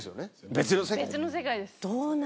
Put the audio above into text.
別の世界です。